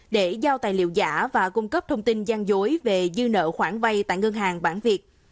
để giao tài liệu giả và cung cấp thông tin gian dối về dư nợ khoản vay tại ngân hàng bản việc